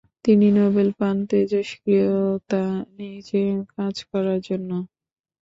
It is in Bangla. তিনি নোবেল পান তেজষ্ক্রিয়তা নিয়ে কাজ করার জন্য।